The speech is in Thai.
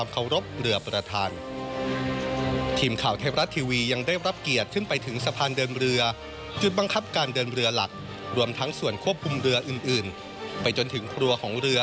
ของเรืออื่นไปจนถึงครัวของเรือ